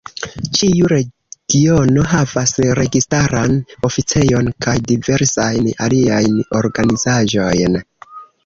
Ĉiu regiono havas registaran oficejon kaj diversajn aliajn organizaĵojn.